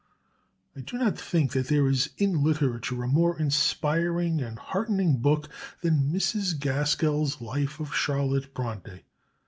I do not think that there is in literature a more inspiring and heartening book than Mrs. Gaskell's Life of Charlotte Bronte.